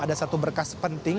ada satu berkas penting